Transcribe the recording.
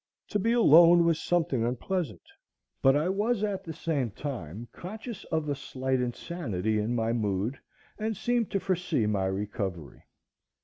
To be alone was something unpleasant. But I was at the same time conscious of a slight insanity in my mood, and seemed to foresee my recovery.